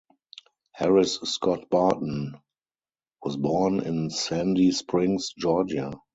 Harris Scott Barton was born in Sandy Springs, Georgia.